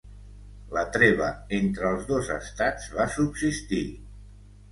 La treva entre els dos estats va subsistir.